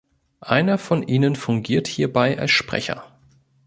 Einer von ihnen fungiert hierbei als Sprecher.